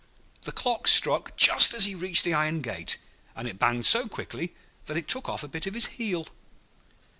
The clock struck just as he reached the iron gate, and it banged so quickly that it took off a bit of his heel.